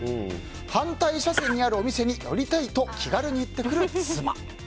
反対車線にあるお店に寄りたいと気軽に言ってくる妻。